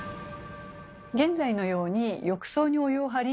現在のように浴槽にお湯を張り